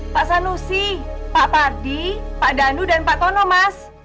pak sanusi pak pardi pak danu dan pak tono mas